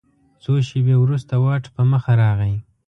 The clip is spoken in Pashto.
څو شیبې وروسته واټ په مخه راغی.